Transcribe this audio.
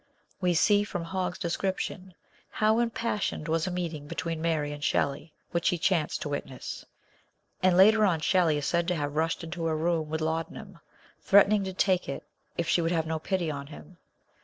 We see, from Hogg's description, how im passioned was a meeting between Mary and Shelley, MARY AND SHELLEY. 65 which he chanced to witness ; and later on Shelley is said to have rushed into her room with laudanum, threatening to take it if she would not have pity on him.